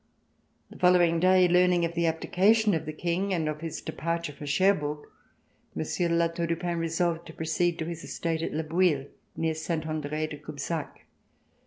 The following day, learning of the abdication of the King and of his departure for Cherbourg, Monsieur de La Tour du Pin resolved to proceed to his estate at Le Bouilh, near Saint Andre de Cubzac.